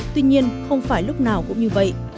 tuy nhiên không phải lúc nào cũng như vậy